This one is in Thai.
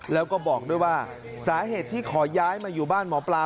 แล้วก็บอกด้วยว่าสาเหตุที่ขอย้ายมาอยู่บ้านหมอปลา